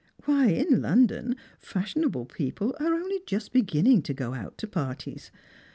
Why, in London fashionable people are only just beginning to go out to parties